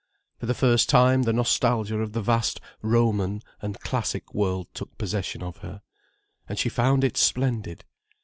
For the first time the nostalgia of the vast Roman and classic world took possession of her. And she found it splendid.